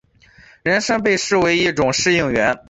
人参被珍视为一种适应原。